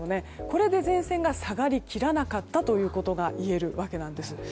これで前線が下がりきらなかったということがいえるわけなんです。